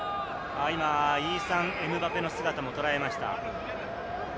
イーサン・エムバペの姿も捉えました。